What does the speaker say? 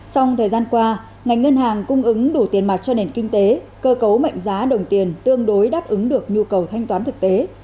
song thời gian qua ngành ngân hàng cung ứng đủ tiền mặt cho nền kinh tế cơ cấu mệnh giá đồng tiền tương đối đáp ứng được nhu cầu thanh toán thực tế